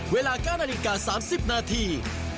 เวลา๙นาฬิกา๓๐นาที